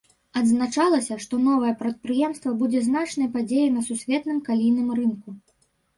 Адзначалася, што новае прадпрыемства будзе значнай падзеяй на сусветным калійным рынку.